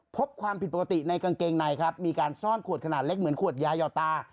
พบความผิดปกติในกางเกงในครับมีการซ่อนขวดขนาดเล็กเหมือนขวดยายอตา